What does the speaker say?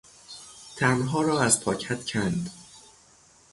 تمبرها را از پاکت کند.